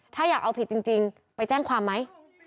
ถ้าอยากเอาผิดจริงไปแจ้งความไหม